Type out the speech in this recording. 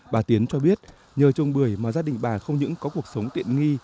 bà tiến cho biết nhờ trồng bưởi mà gia đình bà không những có cuộc sống tiện nghi